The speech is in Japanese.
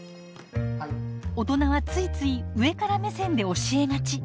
大人はついつい上から目線で教えがち。